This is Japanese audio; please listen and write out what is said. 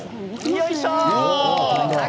よいしょ。